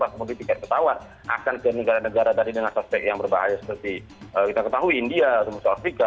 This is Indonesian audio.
pasti mungkin tiket ketahuan akan ke negara negara dari negara sospek yang berbahaya seperti kita ketahui india dan south africa